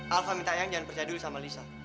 alva minta eyang jangan percaya dulu sama lisa